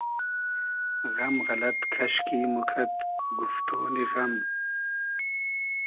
غئم غئلئد کئشکی موکئد گوفتۉنی غئم